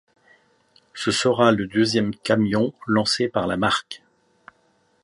Ce sera le deuxième camion lancé par la marque.